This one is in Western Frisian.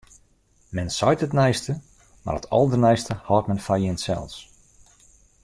Men seit it neiste, mar it alderneiste hâldt men foar jinsels.